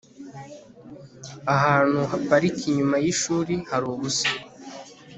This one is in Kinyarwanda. Ahantu haparika inyuma yishuri hari ubusa